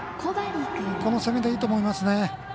この攻めでいいと思います。